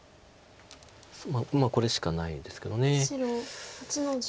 これしかないですけど。